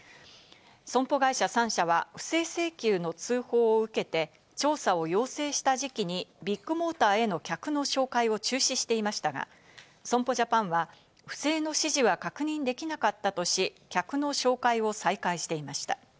損保会社３社は、不正請求の通報を受けて調査を要請した時期に、ビッグモーターへの客の紹介を中止していましたが、損保ジャパンは不正の指示は確認できなかったとし、客の紹介を再開していました。